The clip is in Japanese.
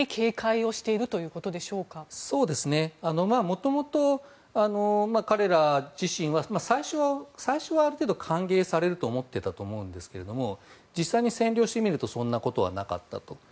元々、彼ら自身は最初はある程度歓迎されると思っていたと思うんですが実際に占領してみるとそんなことはなかったと。